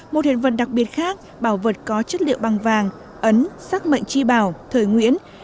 một hiện vật đặc biệt khác bảo vật có chất liệu băng vàng